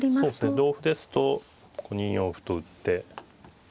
同歩ですと２四歩と打って。